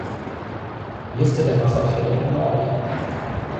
Liste der Wasserfälle in Norwegen